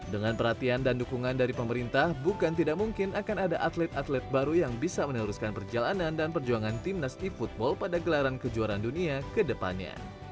dengan perhatian dan dukungan dari pemerintah bukan tidak mungkin akan ada atlet atlet baru yang bisa meneruskan perjalanan dan perjuangan timnas seafootball pada gelaran kejuaraan dunia ke depannya